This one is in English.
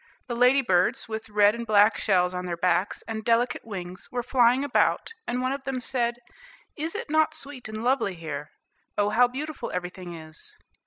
The lady birds, with red and black shells on their backs, and delicate wings, were flying about, and one of them said, "Is it not sweet and lovely here? Oh, how beautiful everything is."